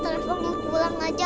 nerafa mau pulang aja